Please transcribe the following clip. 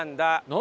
何？